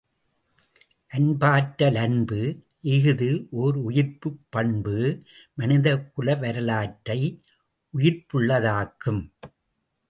அன்பாற்றல் அன்பு இஃது ஒர் உயிர்ப் பண்பு மனிதகுல வரலாற்றை உயிர்ப்புள்ளதாக்கும்.